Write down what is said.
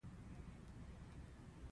د ښځو پرمخ د زده کړو دروازې خلاصې کړی